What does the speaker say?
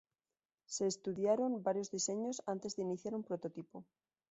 Se estudiaron varios diseños antes de iniciar un prototipo.